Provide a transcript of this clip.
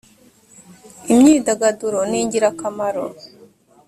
imyidagaduro ningirakamaro